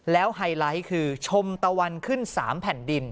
ไฮไลท์คือชมตะวันขึ้น๓แผ่นดิน